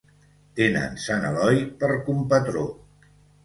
Tenen sant Eloi per compatró.